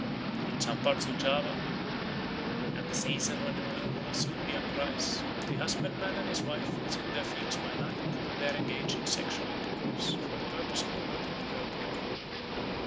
In some parts of Java, at the season when the bloom will soon be on the rice, the husbandman and his wife visit their fields by night and there engage in sexual intercourse for the purpose of promoting the growth of the crop.